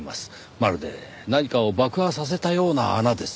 まるで何かを爆破させたような穴です。